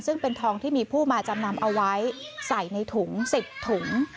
ซึ่งเป็นทองที่มีผู้มาจำนำเอาไว้ใส่ในถุง๑๐ถุง